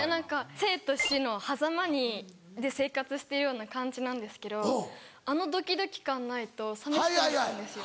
生と死のはざまで生活してるような感じなんですけどあのドキドキ感ないと寂しくなっちゃうんですよ。